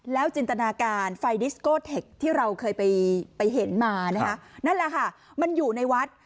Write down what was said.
จินตนาการไฟดิสโกเทคที่เราเคยไปเห็นมานะคะนั่นแหละค่ะมันอยู่ในวัด